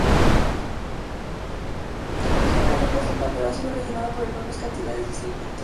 En origen era muy profunda, pero ha sido rellenada por enormes cantidades de sedimentos.